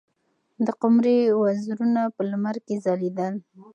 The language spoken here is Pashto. د قمرۍ وزرونه په لمر کې ځلېدل.